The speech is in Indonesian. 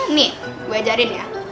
nih gue ajarin ya